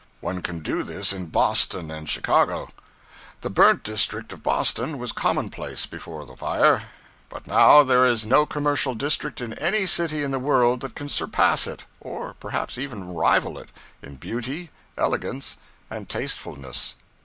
One can do this in Boston and Chicago. The 'burnt district' of Boston was commonplace before the fire; but now there is no commercial district in any city in the world that can surpass it or perhaps even rival it in beauty, elegance, and tastefulness.